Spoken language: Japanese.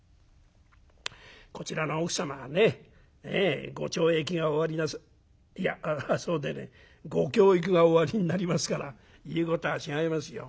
「こちらの奥様はねごちょうえきがおありいやそうでねえご教育がおありになりますから言うことは違いますよ」。